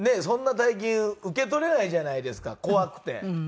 そんな大金受け取れないじゃないですか怖くて。